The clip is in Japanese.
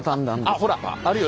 あっほらあるよ。